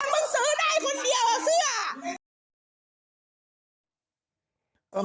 มึงซื้อได้คนเดียวเสื้อ